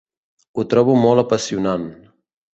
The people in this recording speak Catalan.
Ho trobo molt apassionant.